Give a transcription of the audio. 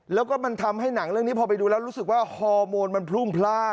แล้วก็มันทำให้หนังเรื่องนี้พอไปดูแล้วรู้สึกว่าฮอร์โมนมันพรุ่งพลาด